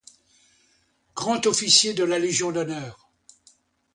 Grand officier de la légion d'honneur.